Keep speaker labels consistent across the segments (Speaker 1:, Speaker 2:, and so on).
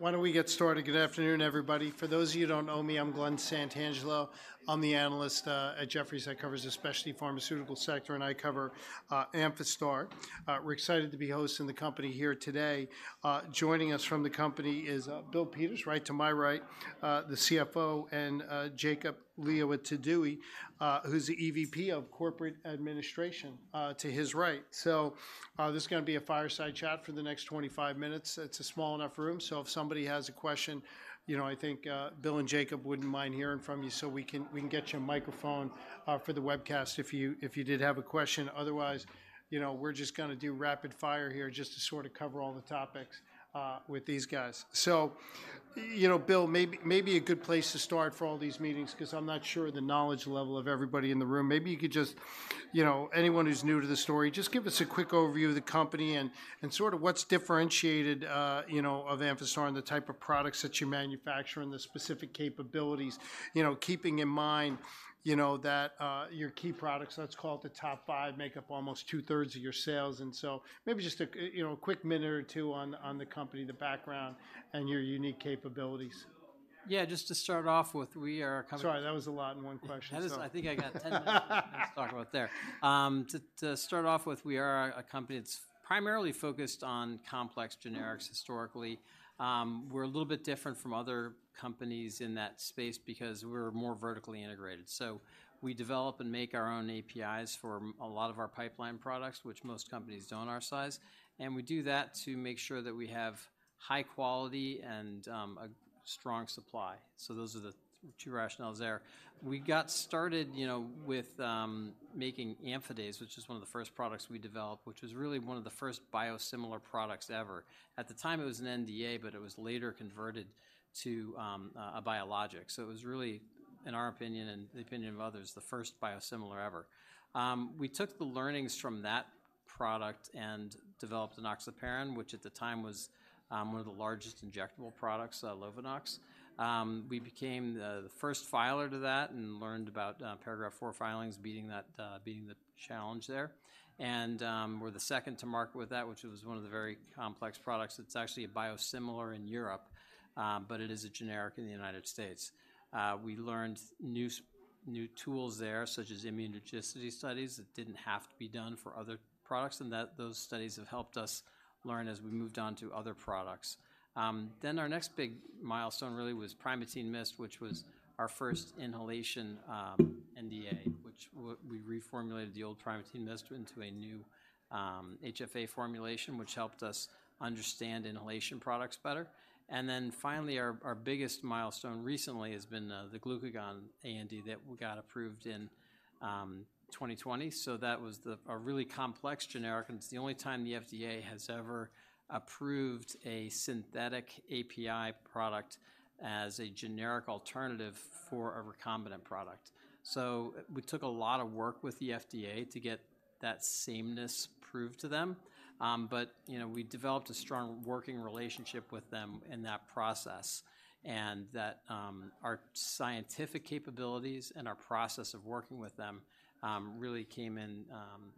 Speaker 1: Why don't we get started? Good afternoon, everybody. For those of you who don't know me, I'm Glen Santangelo. I'm the analyst at Jefferies. I cover the specialty pharmaceutical sector, and I cover Amphastar. We're excited to be hosting the company here today. Joining us from the company is Bill Peters, right to my right, the CFO, and Jacob Liawatidewi, who's the EVP of Corporate Administration, to his right. So this is gonna be a fireside chat for the next 25 minutes. It's a small enough room, so if somebody has a question, you know, I think Bill and Jacob wouldn't mind hearing from you. So we can get you a microphone for the webcast if you did have a question. Otherwise, you know, we're just gonna do rapid fire here just to sort of cover all the topics with these guys. So, you know, Bill, maybe a good place to start for all these meetings, 'cause I'm not sure of the knowledge level of everybody in the room. Maybe you could just... You know, anyone who's new to the story, just give us a quick overview of the company and sort of what's differentiated of Amphastar and the type of products that you manufacture and the specific capabilities. You know, keeping in mind that your key products, let's call it the top five, make up almost two-thirds of your sales. So maybe just a quick minute or two on the company, the background, and your unique capabilities.
Speaker 2: Yeah, just to start off with, we are a company-
Speaker 1: Sorry, that was a lot in one question, so
Speaker 2: That was... I think I got 10 minutes to talk about there. To start off with, we are a company that's primarily focused on complex generics historically. We're a little bit different from other companies in that space because we're more vertically integrated. So we develop and make our own APIs for a lot of our pipeline products, which most companies don't our size, and we do that to make sure that we have high quality and a strong supply. So those are the two rationales there. We got started, you know, with making Amphadase, which is one of the first products we developed, which was really one of the first biosimilar products ever. At the time, it was an NDA, but it was later converted to a biologic. So it was really, in our opinion and the opinion of others, the first biosimilar ever. We took the learnings from that product and developed enoxaparin, which at the time was, one of the largest injectable products, Lovenox. We became the first filer to that and learned about, Paragraph IV filings beating that, beating the challenge there. And, we're the second to market with that, which was one of the very complex products. It's actually a biosimilar in Europe, but it is a generic in the United States. We learned new tools there, such as immunogenicity studies, that didn't have to be done for other products, and that those studies have helped us learn as we moved on to other products. Then our next big milestone really was Primatene Mist, which was our first inhalation NDA, which we reformulated the old Primatene Mist into a new HFA formulation, which helped us understand inhalation products better. And then finally, our biggest milestone recently has been the glucagon ANDA that got approved in 2020. So that was a really complex generic, and it's the only time the FDA has ever approved a synthetic API product as a generic alternative for a recombinant product. So we took a lot of work with the FDA to get that sameness approved to them. But you know, we developed a strong working relationship with them in that process and that our scientific capabilities and our process of working with them really came in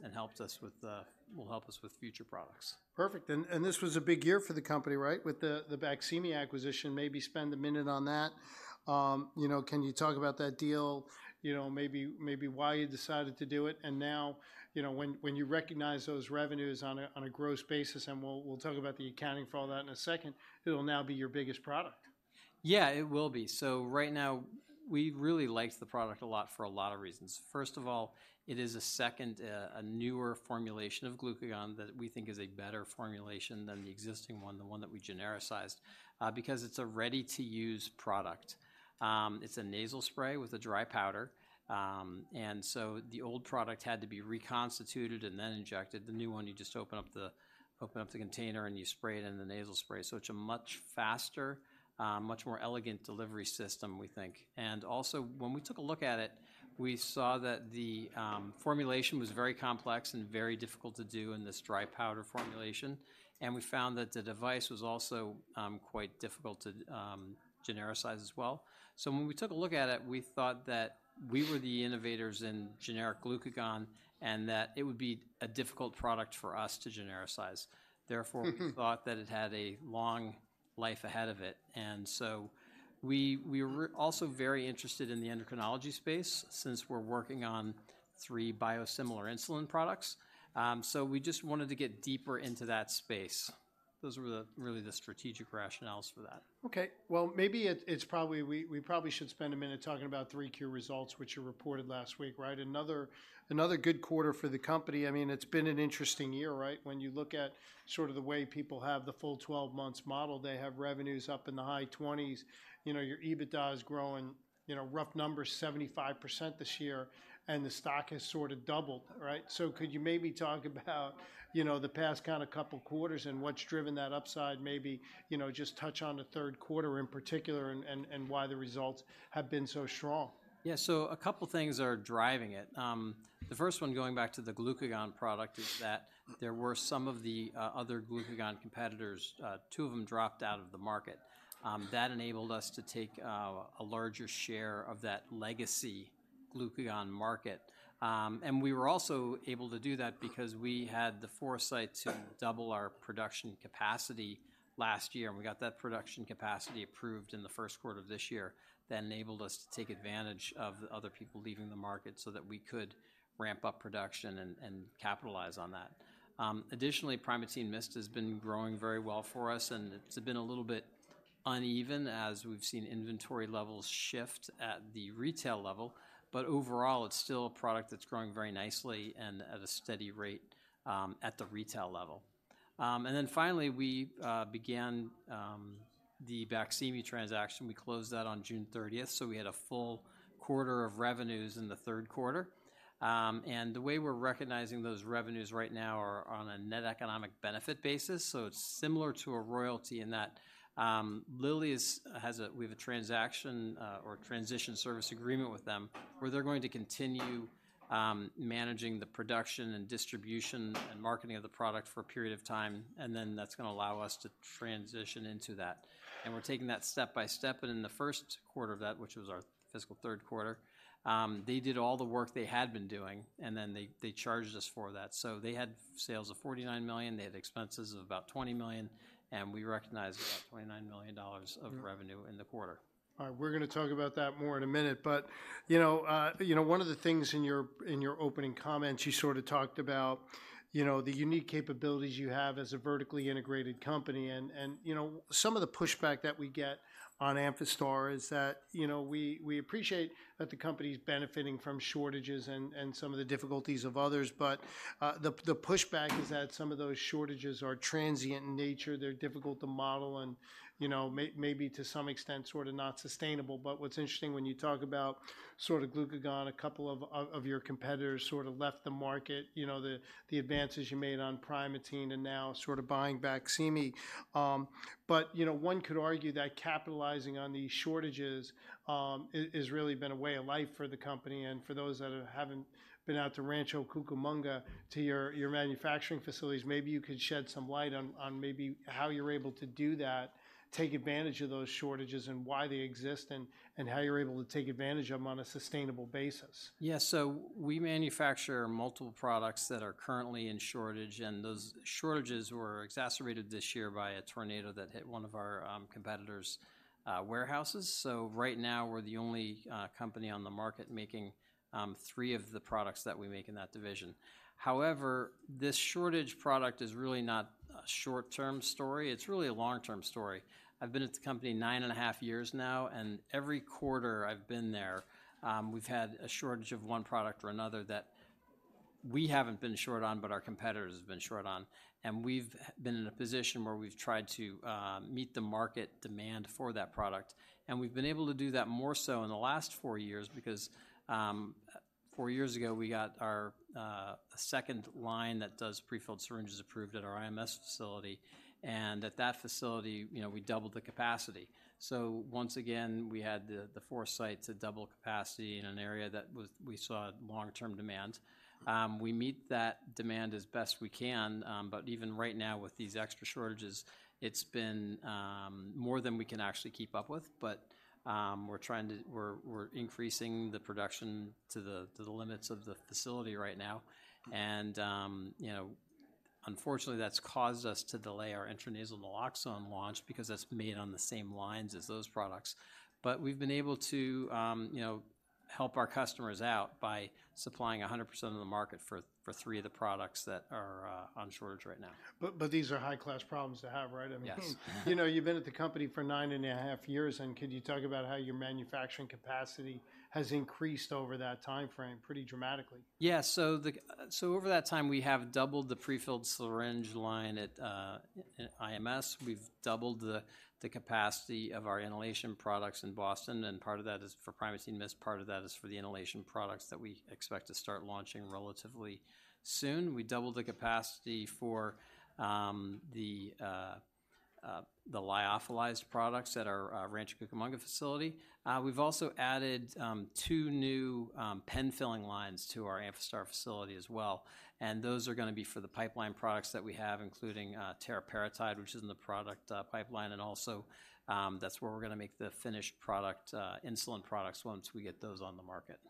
Speaker 2: and will help us with future products.
Speaker 1: Perfect, and this was a big year for the company, right? With the Baqsimi acquisition. Maybe spend a minute on that. You know, can you talk about that deal? You know, maybe why you decided to do it, and now, you know, when you recognize those revenues on a gross basis, and we'll talk about the accounting for all that in a second, it'll now be your biggest product.
Speaker 2: Yeah, it will be. So right now, we really liked the product a lot for a lot of reasons. First of all, it is a second, a newer formulation of glucagon that we think is a better formulation than the existing one, the one that we genericized, because it's a ready-to-use product. It's a nasal spray with a dry powder. And so the old product had to be reconstituted and then injected. The new one, you just open up the- open up the container, and you spray it in the nasal spray. So it's a much faster, much more elegant delivery system, we think. And also, when we took a look at it, we saw that the formulation was very complex and very difficult to do in this dry powder formulation, and we found that the device was also quite difficult to genericize as well. So when we took a look at it, we thought that we were the innovators in generic glucagon and that it would be a difficult product for us to genericize.
Speaker 1: Mm-hmm.
Speaker 2: Therefore, we thought that it had a long life ahead of it. And so we were also very interested in the endocrinology space since we're working on three biosimilar insulin products, so we just wanted to get deeper into that space. Those were really the strategic rationales for that.
Speaker 1: Okay, well, maybe we probably should spend a minute talking about 3Q results, which you reported last week, right? Another good quarter for the company. I mean, it's been an interesting year, right? When you look at sort of the way people have the full 12 months model, they have revenues up in the high 20s. You know, your EBITDA is growing, you know, rough numbers, 75% this year, and the stock has sort of doubled, right? So could you maybe talk about you know, the past kind of couple quarters and what's driven that upside? Maybe, you know, just touch on the third quarter in particular and why the results have been so strong.
Speaker 2: Yeah. So a couple things are driving it. The first one, going back to the glucagon product, is that there were some of the other glucagon competitors, two of them dropped out of the market. That enabled us to take a larger share of that legacy glucagon market. And we were also able to do that because we had the foresight to double our production capacity last year, and we got that production capacity approved in the first quarter of this year. That enabled us to take advantage of the other people leaving the market so that we could ramp up production and capitalize on that. Additionally, Primatene Mist has been growing very well for us, and it's been a little bit uneven as we've seen inventory levels shift at the retail level. But overall, it's still a product that's growing very nicely and at a steady rate at the retail level. And then finally, we began the Baqsimi transaction. We closed that on June thirtieth, so we had a full quarter of revenues in the third quarter. And the way we're recognizing those revenues right now are on a net economic benefit basis, so it's similar to a royalty in that. Lilly has a, we have a transaction or transition service agreement with them, where they're going to continue managing the production and distribution and marketing of the product for a period of time, and then that's gonna allow us to transition into that. We're taking that step by step, and in the first quarter of that, which was our fiscal third quarter, they did all the work they had been doing, and then they charged us for that. So they had sales of $49 million, they had expenses of about $20 million, and we recognized about $29 million of revenue in the quarter.
Speaker 1: All right, we're gonna talk about that more in a minute. But, you know, you know, one of the things in your, in your opening comments, you sort of talked about, you know, the unique capabilities you have as a vertically integrated company. And, you know, some of the pushback that we get on Amphastar is that, you know, we appreciate that the company's benefiting from shortages and some of the difficulties of others, but, the pushback is that some of those shortages are transient in nature. They're difficult to model and, you know, maybe to some extent, sort of not sustainable. But what's interesting, when you talk about sort of Glucagon, a couple of your competitors sort of left the market, you know, the advances you made on Primatene and now sort of buying Baqsimi. But, you know, one could argue that capitalizing on these shortages has really been a way of life for the company and for those that haven't been out to Rancho Cucamonga, to your manufacturing facilities, maybe you could shed some light on maybe how you're able to do that, take advantage of those shortages, and why they exist, and how you're able to take advantage of them on a sustainable basis.
Speaker 2: Yeah, so we manufacture multiple products that are currently in shortage, and those shortages were exacerbated this year by a tornado that hit one of our competitors' warehouses. So right now, we're the only company on the market making three of the products that we make in that division. However, this shortage product is really not a short-term story. It's really a long-term story. I've been at the company nine and a half years now, and every quarter I've been there, we've had a shortage of one product or another that we haven't been short on, but our competitors have been short on. We've been in a position where we've tried to meet the market demand for that product, and we've been able to do that more so in the last four years because four years ago, we got our second line that does prefilled syringes approved at our IMS facility, and at that facility, you know, we doubled the capacity. So once again, we had the foresight to double capacity in an area that we saw long-term demand. We meet that demand as best we can, but even right now, with these extra shortages, it's been more than we can actually keep up with. But we're trying to. We're increasing the production to the limits of the facility right now. You know, unfortunately, that's caused us to delay our intranasal naloxone launch because that's made on the same lines as those products. But we've been able to, you know, help our customers out by supplying 100% of the market for three of the products that are on shortage right now.
Speaker 1: But, these are high-class problems to have, right?
Speaker 2: Yes.
Speaker 1: I mean, you know, you've been at the company for 9.5 years, and could you talk about how your manufacturing capacity has increased over that timeframe pretty dramatically?
Speaker 2: Yeah, so over that time, we have doubled the prefilled syringe line at IMS. We've doubled the capacity of our inhalation products in Boston, and part of that is for Primatene Mist, part of that is for the inhalation products that we expect to start launching relatively soon. We doubled the capacity for the lyophilized products at our Rancho Cucamonga facility. We've also added two new pen filling lines to our Amphastar facility as well, and those are gonna be for the pipeline products that we have, including teriparatide, which is in the product pipeline, and also, that's where we're gonna make the finished product, insulin products once we get those on the market.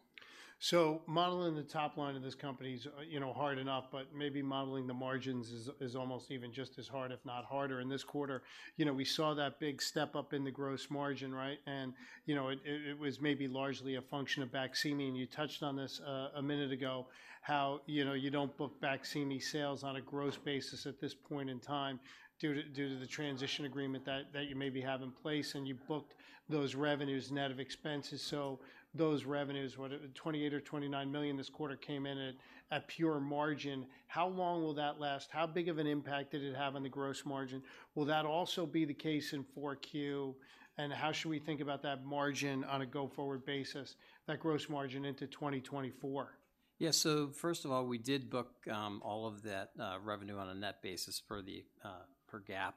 Speaker 1: So modeling the top line of this company is, you know, hard enough, but maybe modeling the margins is almost even just as hard, if not harder. In this quarter, you know, we saw that big step up in the gross margin, right? And, you know, it was maybe largely a function of Baqsimi, and you touched on this a minute ago, how, you know, you don't book Baqsimi sales on a gross basis at this point in time due to the transition agreement that you maybe have in place, and you booked those revenues net of expenses. So those revenues, what, $28 million or $29 million this quarter came in at pure margin. How long will that last? How big of an impact did it have on the gross margin? Will that also be the case in 4Q, and how should we think about that margin on a go-forward basis, that gross margin into 2024?...
Speaker 2: Yeah, so first of all, we did book all of that revenue on a net basis per the per GAAP.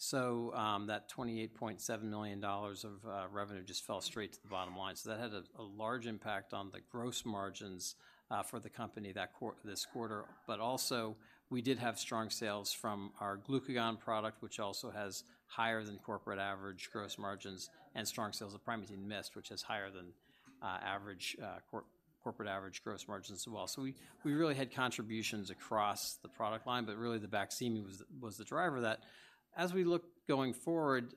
Speaker 2: So, that $28.7 million of revenue just fell straight to the bottom line. So that had a large impact on the gross margins for the company this quarter. But also, we did have strong sales from our glucagon product, which also has higher than corporate average gross margins and strong sales of Primatene Mist, which has higher than average corporate average gross margins as well. So we really had contributions across the product line, but really the Baqsimi was the driver of that. As we look going forward,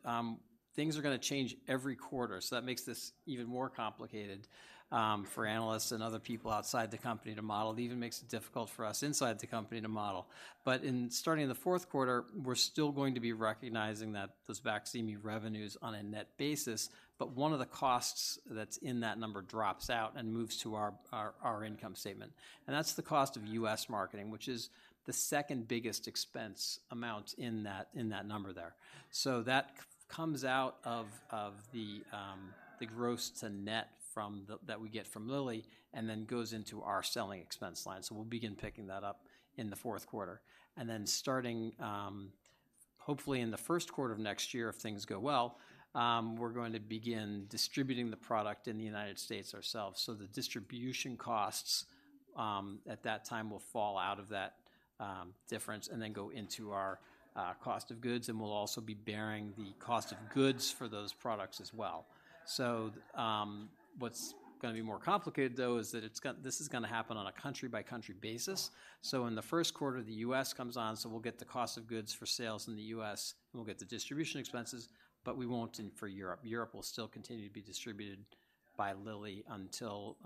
Speaker 2: things are gonna change every quarter, so that makes this even more complicated for analysts and other people outside the company to model. It even makes it difficult for us inside the company to model. But starting in the fourth quarter, we're still going to be recognizing those Baqsimi revenues on a net basis, but one of the costs that's in that number drops out and moves to our income statement, and that's the cost of U.S. marketing, which is the second biggest expense amount in that number there. So that comes out of the gross-to-net from the... that we get from Lilly and then goes into our selling expense line. So we'll begin picking that up in the fourth quarter. Then starting, hopefully in the first quarter of next year, if things go well, we're going to begin distributing the product in the United States ourselves. So the distribution costs, at that time, will fall out of that difference and then go into our cost of goods, and we'll also be bearing the cost of goods for those products as well. So, what's gonna be more complicated, though, is that this is gonna happen on a country-by-country basis. So in the first quarter, the U.S. comes on, so we'll get the cost of goods for sales in the U.S., and we'll get the distribution expenses, but we won't in for Europe. Europe will still continue to be distributed by Lilly until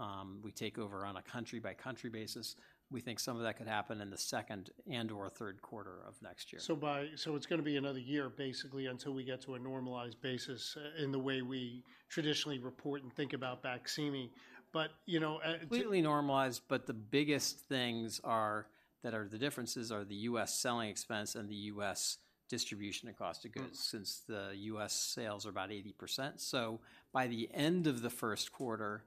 Speaker 2: we take over on a country-by-country basis. We think some of that could happen in the second and/or third quarter of next year.
Speaker 1: So it's gonna be another year, basically, until we get to a normalized basis in the way we traditionally report and think about Baqsimi. But, you know,
Speaker 2: Completely normalized, but the biggest things are that the differences are the U.S. selling expense and the U.S. distribution and cost of goods-
Speaker 1: Mm...
Speaker 2: since the U.S. sales are about 80%. So by the end of the first quarter,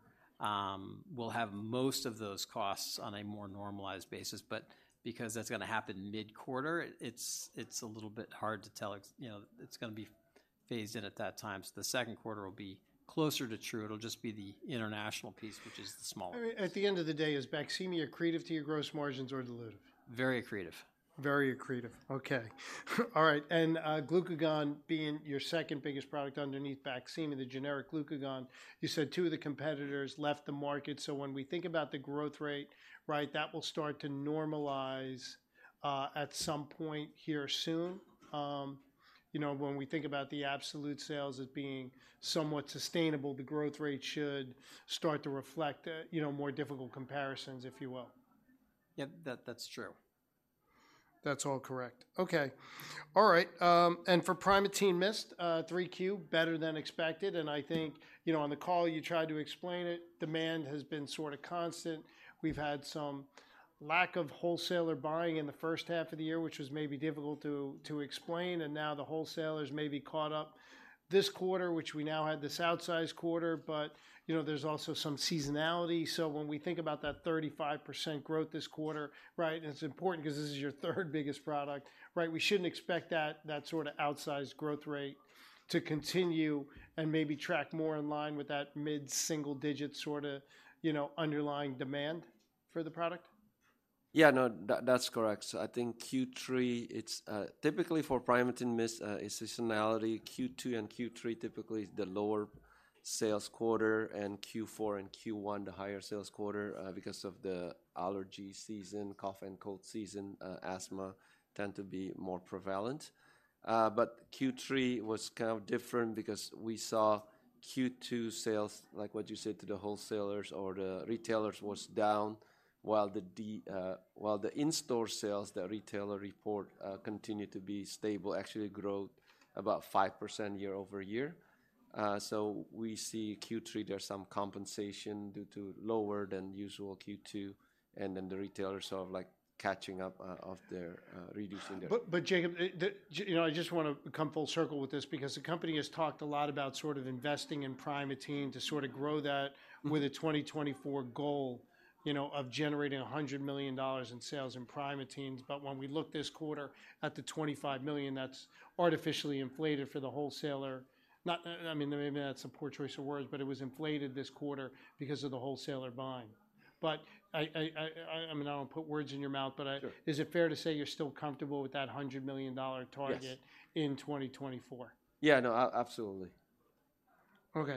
Speaker 2: we'll have most of those costs on a more normalized basis. But because that's gonna happen mid-quarter, it's a little bit hard to tell. It's, you know, it's gonna be phased in at that time. So the second quarter will be closer to true. It'll just be the international piece, which is the smaller.
Speaker 1: At the end of the day, is Baqsimi accretive to your gross margins or dilutive?
Speaker 2: Very accretive.
Speaker 1: Very accretive. Okay. All right, and, glucagon being your second biggest product underneath Baqsimi, the generic glucagon, you said two of the competitors left the market. So when we think about the growth rate, right, that will start to normalize, at some point here soon. You know, when we think about the absolute sales as being somewhat sustainable, the growth rate should start to reflect, you know, more difficult comparisons, if you will.
Speaker 2: Yep, that, that's true.
Speaker 1: That's all correct. Okay. All right, and for Primatene Mist, 3Q, better than expected, and I think, you know, on the call you tried to explain it, demand has been sort of constant. We've had some lack of wholesaler buying in the first half of the year, which was maybe difficult to explain, and now the wholesalers may be caught up this quarter, which we now had this outsized quarter. But, you know, there's also some seasonality. So when we think about that 35% growth this quarter, right, and it's important 'cause this is your third biggest product, right? We shouldn't expect that sort of outsized growth rate to continue and maybe track more in line with that mid-single digit, sorta, you know, underlying demand for the product.
Speaker 3: Yeah, no, that's correct. So I think Q3, it's typically for Primatene Mist, it's seasonality. Q2 and Q3 typically is the lower sales quarter, and Q4 and Q1, the higher sales quarter, because of the allergy season, cough and cold season, asthma tend to be more prevalent. But Q3 was kind of different because we saw Q2 sales, like what you said, to the wholesalers or the retailers, was down, while the in-store sales, the retailer report, continued to be stable, actually grew about 5% year-over-year. So we see Q3, there's some compensation due to lower than usual Q2, and then the retailers are, like, catching up, of their, reducing their-
Speaker 1: But, but Jacob, you know, I just wanna come full circle with this because the company has talked a lot about sort of investing in Primatene to sort of grow that with a 2024 goal, you know, of generating $100 million in sales in Primatene. But when we look this quarter at the $25 million, that's artificially inflated for the wholesaler... Not, I mean, maybe that's a poor choice of words, but it was inflated this quarter because of the wholesaler buying. But I, I, I, I, I mean, I don't put words in your mouth, but I-
Speaker 3: Sure.
Speaker 1: Is it fair to say you're still comfortable with that $100 million target?
Speaker 3: Yes...
Speaker 1: in 2024?
Speaker 3: Yeah, no, absolutely.
Speaker 1: Okay.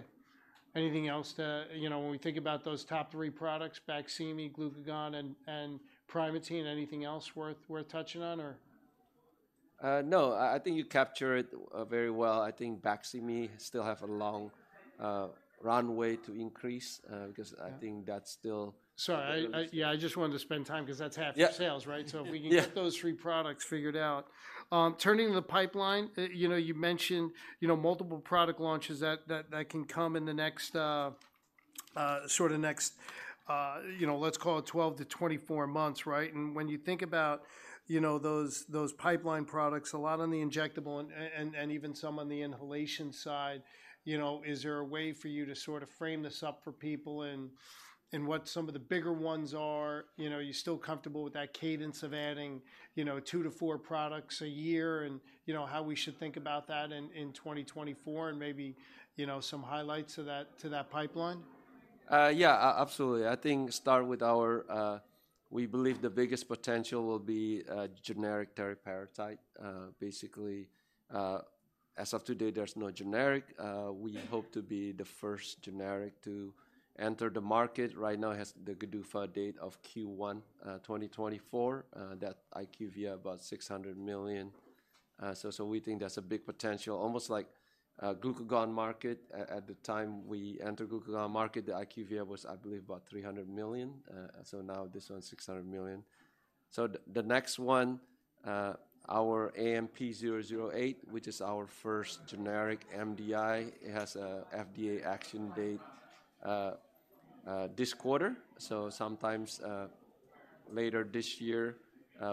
Speaker 1: Anything else to... You know, when we think about those top three products, Baqsimi, glucagon, and, and Primatene, anything else worth, worth touching on or?
Speaker 3: No, I think you captured it very well. I think Baqsimi still have a long runway to increase because-
Speaker 1: Yeah...
Speaker 3: I think that's still-
Speaker 1: Sorry... Yeah, I just wanted to spend time 'cause that's half-
Speaker 3: Yep...
Speaker 1: your sales, right?
Speaker 3: Yeah.
Speaker 1: So if we can get those three products figured out. Turning to the pipeline, you know, you mentioned, you know, multiple product launches that can come in the next, sort of next, you know, let's call it 12-24 months, right? And when you think about, you know, those, those pipeline products, a lot on the injectable and, and even some on the inhalation side, you know, is there a way for you to sort of frame this up for people and, and what some of the bigger ones are? You know, are you still comfortable with that cadence of adding, you know, two to four products a year, and, you know, how we should think about that in 2024, and maybe, you know, some highlights to that pipeline?
Speaker 3: Yeah, absolutely. I think start with our. We believe the biggest potential will be generic teriparatide. Basically, as of today, there's no generic. We hope to be the first generic to enter the market. Right now, it has the GDUFA date of Q1 2024. That IQVIA about $600 million. So we think that's a big potential, almost like glucagon market. At the time we entered glucagon market, the IQVIA was, I believe, about $300 million. So now this one's $600 million. So the next one, our AMP-008, which is our first generic MDI, it has a FDA action date this quarter. So sometimes later this year,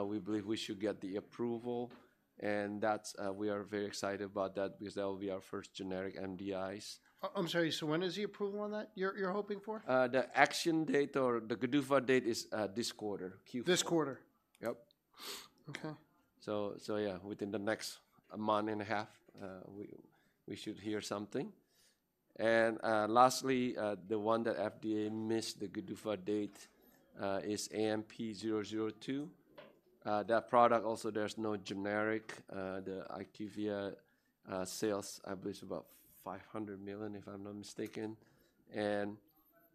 Speaker 3: we believe we should get the approval, and that's, we are very excited about that because that will be our first generic MDIs.
Speaker 1: I'm sorry, so when is the approval on that you're hoping for?
Speaker 3: The action date or the GDUFA date is this quarter, Q4.
Speaker 1: This quarter?
Speaker 3: Yep.
Speaker 1: Okay.
Speaker 3: Yeah, within the next month and a half, we should hear something. Lastly, the one that FDA missed, the GDUFA date, is AMP-002. That product also, there's no generic. The IQVIA sales, I believe, is about $500 million, if I'm not mistaken. And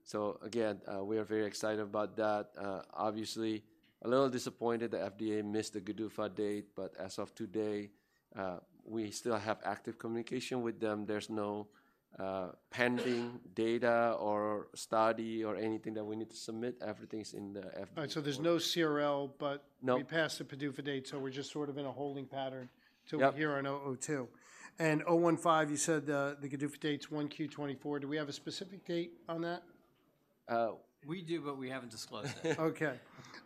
Speaker 3: so again, we are very excited about that. Obviously, a little disappointed the FDA missed the GDUFA date, but as of today, we still have active communication with them. There's no pending data or study or anything that we need to submit. Everything's in the FDA-
Speaker 1: All right, so there's no CRL, but-
Speaker 3: No...
Speaker 1: we passed the PDUFA date, so we're just sort of in a holding pattern-
Speaker 3: Yep...
Speaker 1: till we hear on 002. 015, you said, the GDUFA date's 1Q2024. Do we have a specific date on that?
Speaker 3: Uh-
Speaker 2: We do, but we haven't disclosed it.
Speaker 1: Okay.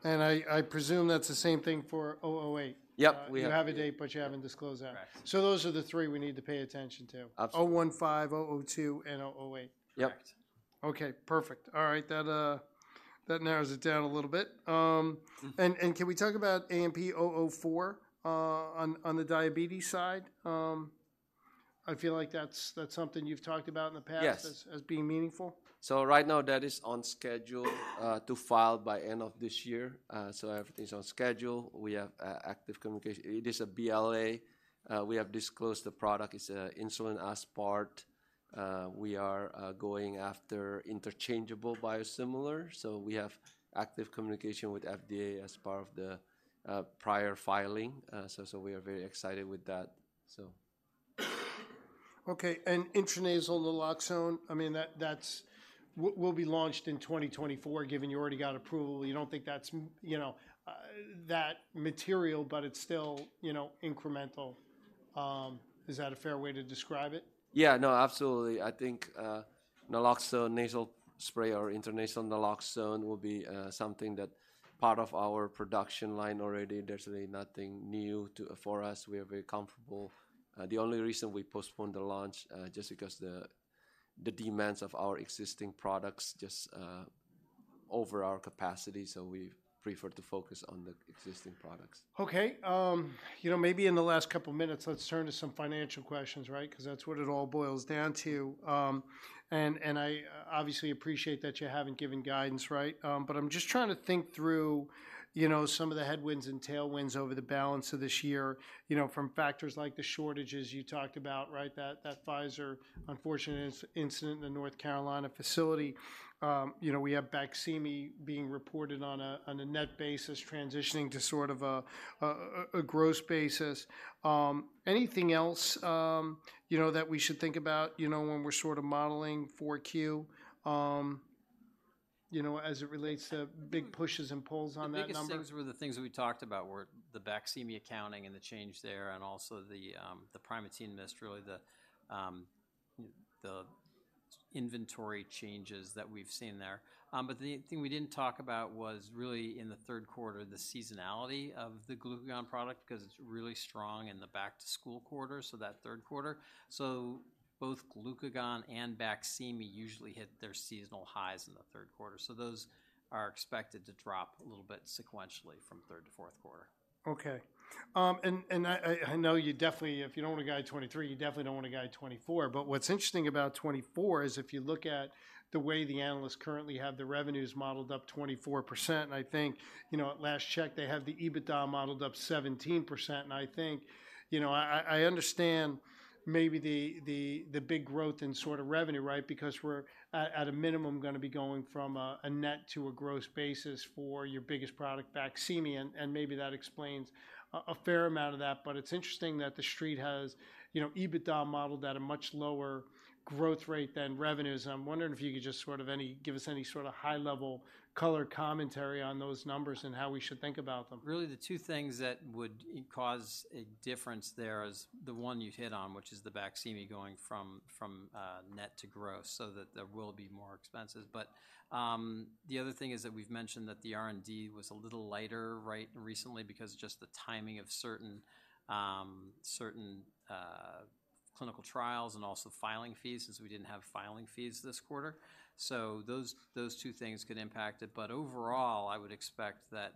Speaker 1: And I presume that's the same thing for 008?
Speaker 3: Yep, we-
Speaker 1: You have a date, but you haven't disclosed that.
Speaker 2: Correct.
Speaker 1: Those are the three we need to pay attention to.
Speaker 3: Absolutely.
Speaker 1: 015, 002, and 008.
Speaker 3: Yep.
Speaker 2: Correct.
Speaker 1: Okay, perfect. All right. That narrows it down a little bit. And can we talk about AMP-004 on the diabetes side? I feel like that's, that's something you've talked about in the past-
Speaker 3: Yes...
Speaker 1: as being meaningful.
Speaker 3: So right now, that is on schedule to file by end of this year. So everything's on schedule. We have active communication. It is a BLA. We have disclosed the product. It's an insulin aspart. We are going after interchangeable biosimilar, so we have active communication with FDA as part of the prior filing. So we are very excited with that, so-
Speaker 1: Okay, and intranasal naloxone, I mean, that, that's will be launched in 2024, given you already got approval. You don't think that's, you know, that material, but it's still, you know, incremental. Is that a fair way to describe it?
Speaker 3: Yeah, no, absolutely. I think naloxone nasal spray or intranasal naloxone will be something that part of our production line already. There's really nothing new to... for us. We are very comfortable. The only reason we postponed the launch just because the demands of our existing products just over our capacity, so we prefer to focus on the existing products.
Speaker 1: Okay, you know, maybe in the last couple minutes, let's turn to some financial questions, right? Because that's what it all boils down to. And I obviously appreciate that you haven't given guidance, right? But I'm just trying to think through, you know, some of the headwinds and tailwinds over the balance of this year, you know, from factors like the shortages you talked about, right? That Pfizer unfortunate incident in the North Carolina facility. You know, we have Baqsimi being reported on a net basis, transitioning to sort of a gross basis. Anything else, you know, that we should think about, you know, when we're sort of modeling 4Q, you know, as it relates to big pushes and pulls on that number?
Speaker 2: The biggest things were the things that we talked about, were the Baqsimi accounting and the change there, and also the, the Primatene Mist, really the, the inventory changes that we've seen there. But the thing we didn't talk about was really in the third quarter, the seasonality of the glucagon product, because it's really strong in the back-to-school quarter, so that third quarter. So both glucagon and Baqsimi usually hit their seasonal highs in the third quarter. So those are expected to drop a little bit sequentially from third to fourth quarter.
Speaker 1: Okay. And I know you definitely, if you don't want to guide 2023, you definitely don't want to guide 2024. But what's interesting about 2024 is if you look at the way the analysts currently have the revenues modeled up 24%, and I think, you know, at last check, they have the EBITDA modeled up 17%, and I think, you know. I understand maybe the big growth in sort of revenue, right? Because we're at a minimum gonna be going from a net to a gross basis for your biggest product, Baqsimi, and maybe that explains a fair amount of that. But it's interesting that the Street has, you know, EBITDA modeled at a much lower growth rate than revenues. I'm wondering if you could just sort of give us any sort of high-level color commentary on those numbers and how we should think about them.
Speaker 2: Really, the two things that would cause a difference there is the one you hit on, which is the Baqsimi going from net to gross, so that there will be more expenses. But the other thing is that we've mentioned that the R&D was a little lighter, right, recently, because just the timing of certain clinical trials and also filing fees, since we didn't have filing fees this quarter. So those two things could impact it. But overall, I would expect that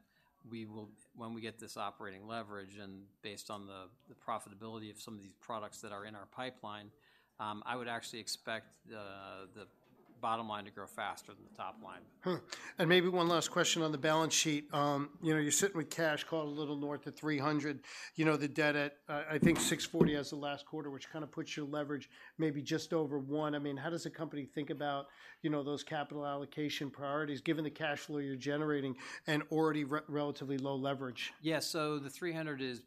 Speaker 2: we will—when we get this operating leverage, and based on the profitability of some of these products that are in our pipeline—I would actually expect the bottom line to grow faster than the top line.
Speaker 1: Maybe one last question on the balance sheet. You know, you're sitting with cash, call it a little north of $300. You know, the debt at, I think, $640 as the last quarter, which kind of puts your leverage maybe just over one. I mean, how does the company think about, you know, those capital allocation priorities, given the cash flow you're generating and already relatively low leverage?
Speaker 2: Yeah, so the 300 is,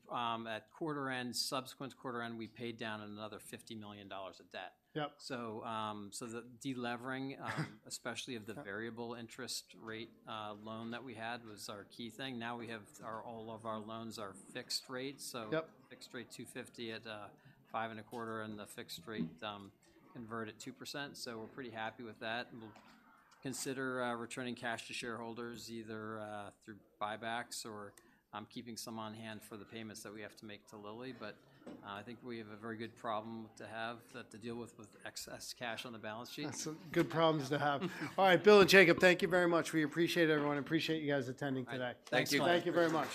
Speaker 2: at quarter end, subsequent quarter end, we paid down another $50 million of debt.
Speaker 1: Yep.
Speaker 2: So, the deleveraging-
Speaker 1: Uh...
Speaker 2: especially of the
Speaker 1: Yep...
Speaker 2: variable interest rate, loan that we had was our key thing. Now we have all of our loans are fixed rate, so-
Speaker 1: Yep...
Speaker 2: fixed rate 250 at 5.25, and the fixed rate convert at 2%, so we're pretty happy with that. We'll consider returning cash to shareholders either through buybacks or keeping some on hand for the payments that we have to make to Lilly. But I think we have a very good problem to have, that to deal with, with excess cash on the balance sheet.
Speaker 1: That's a good problem to have. All right, Bill and Jacob, thank you very much. We appreciate it, everyone. Appreciate you guys attending today.
Speaker 2: Thank you.
Speaker 1: Thank you very much.